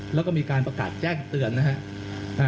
แล้วก็มีการประกาศแจ้งเตือน